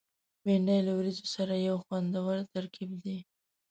بېنډۍ له وریجو سره یو خوندور ترکیب دی